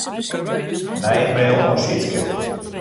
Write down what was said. Nije mail oan Sytske.